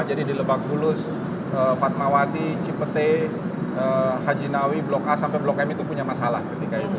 jadi di lebakbulus fatmawati cipete hajinawi blok a sampai blok m itu punya masalah ketika itu